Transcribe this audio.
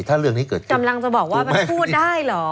ถ้าเรื่องนี้เกิดขึ้นกำลังจะบอกว่ามันพูดได้เหรอ